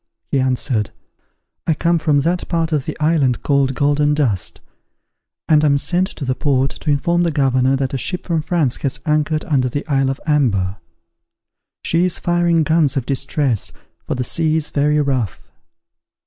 He answered, "I come from that part of the island called Golden Dust; and am sent to the port, to inform the governor that a ship from France has anchored under the Isle of Amber. She is firing guns of distress, for the sea is very rough."